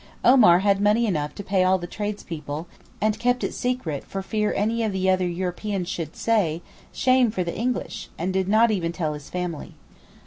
Omar had money enough to pay all the tradespeople, and kept it secret for fear any of the other Europeans should say, 'Shame for the English' and did not even tell his family.